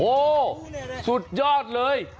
โหสุดยอดเลย